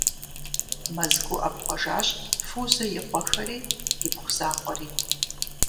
Мэзкуу ӏэпхъуэжащ Фузэ и къуэхэри, ипхъу закъуэри.